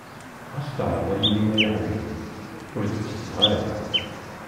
Ɣas tɛerḍeḍ-iyi ay aḥbib, ur d-ttaseɣ ara.